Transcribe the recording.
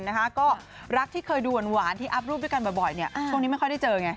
นะคะก็รักที่เคยดูหวานที่อัพรูปด้วยกันบ่อยช่วงนี้ไม่ค่อยได้เจอไง